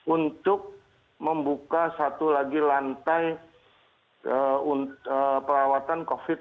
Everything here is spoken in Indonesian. untuk membuka satu lagi lantai perawatan covid sembilan belas